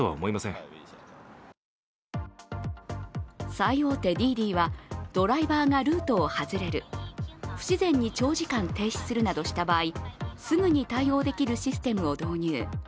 最大手ＤｉＤｉはドライバーがルートを外れる、不自然に長時間停止するなどした場合、すぐに対応できるシステムを導入。